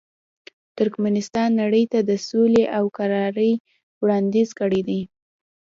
ترکمنستان نړۍ ته د سولې او کرارۍ وړاندیز کړی دی.